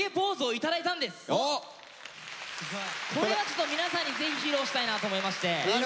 これはちょっと皆さんにぜひ披露したいなと思いまして。